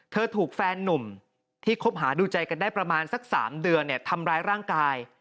ถูกแฟนนุ่มที่คบหาดูใจกันได้ประมาณสัก๓เดือนทำร้ายร่างกาย